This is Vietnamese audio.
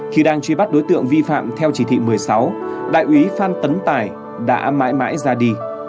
khi đang truy bắt đối tượng vi phạm theo chỉ thị một mươi sáu đại úy phan tấn tài đã mãi mãi ra đi